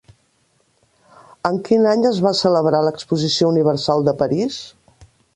En quin any es va celebrar l'Exposició Universal de París?